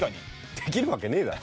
できるわけねえだろ。